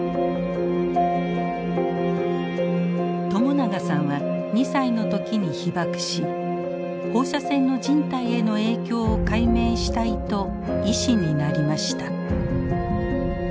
朝長さんは２歳の時に被爆し放射線の人体への影響を解明したいと医師になりました。